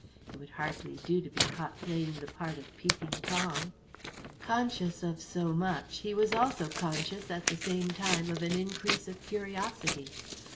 It would hardly do to be caught playing the part of Peeping Tom." Conscious of so much, he was also conscious at the same time of an increase of curiosity.